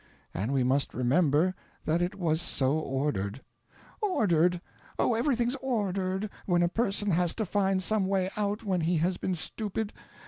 And we must remember that it was so ordered " "Ordered! Oh, everything's ORDERED, when a person has to find some way out when he has been stupid.